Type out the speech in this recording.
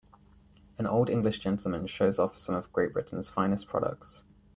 An old english gentleman shows off some of Great Britain 's finest products.